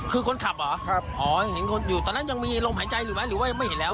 คือคนขับเหรอครับอ๋อยังเห็นคนอยู่ตอนนั้นยังมีลมหายใจหรือไม่หรือว่ายังไม่เห็นแล้ว